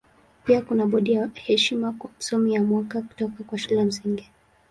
Pia kuna bodi ya heshima kwa Msomi wa Mwaka kutoka kwa Shule ya Msingi.